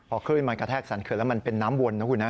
พอคลื่นมันกระแทกสรรเขื่อนแล้วมันเป็นน้ำวนนะคุณนะ